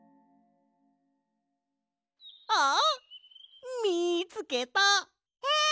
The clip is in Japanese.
あっ！みつけた！え？